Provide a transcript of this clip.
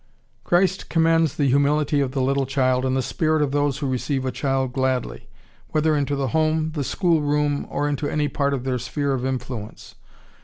Christ commends the humility of the little child and the spirit of those who receive a child gladly, whether into the home, the school room, or into any part of their sphere of influence.